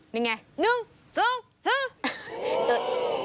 นี่ไง๑๒๓